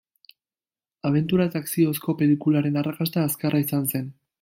Abentura eta akziozko pelikularen arrakasta azkarra izan zen.